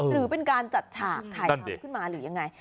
หรือเป็นการจัดฉากถ่ายทำขึ้นมาหรือยังไง